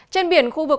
trên biển khu vực huyện